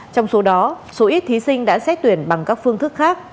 trong số đó số ít thí sinh đã xét tuyển bằng các phương thức khác